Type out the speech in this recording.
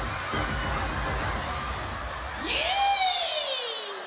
イエーイ！